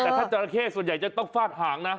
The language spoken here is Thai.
แต่ถ้าจราเข้ส่วนใหญ่จะต้องฟาดหางนะ